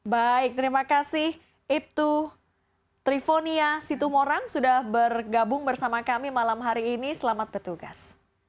baik terima kasih ibtu trifonia situmorang sudah bergabung bersama kami malam hari ini selamat bertugas